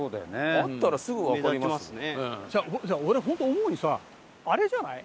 俺本当思うにさあれじゃない？